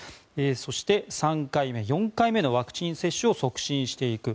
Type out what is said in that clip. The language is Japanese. そして、３回目、４回目のワクチン接種を促進していく。